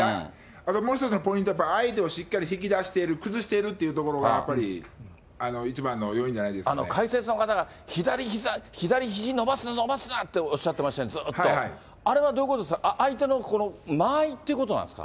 もう一つのポイントはやっぱり相手をしっかり引き出している、崩しているというところが、やっぱり、解説の方が左ひざ、左ひじ、伸ばすな、伸ばすなっておっしゃってましたね、ずっと、あれはどういうことですか、相手の間合いってことなんですか？